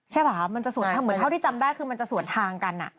ใช่ป่ะเหมือนเท่าที่จำได้คือส่วนทางกัน